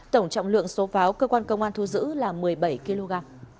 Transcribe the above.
tổng trọng lượng số pháo cơ quan công an thu giữ là một mươi bảy kg